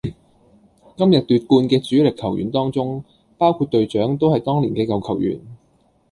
今日奪冠嘅主力球員當中，包括隊長都係當年嘅舊球員